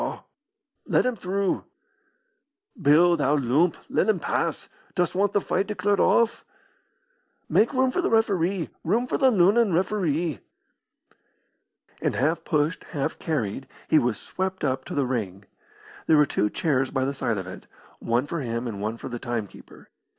"Let him through." "Bill, thou loomp, let him pass. Dost want the fight declared off?" "Make room for the referee! room for the Lunnon referee!" And half pushed, half carried, he was swept up to the ring. There were two chairs by the side of it, one for him and one for the timekeeper.